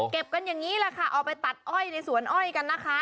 กันอย่างนี้แหละค่ะเอาไปตัดอ้อยในสวนอ้อยกันนะคะ